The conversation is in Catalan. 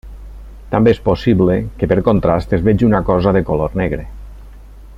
També és possible que per contrast es vegi una cosa de color negre.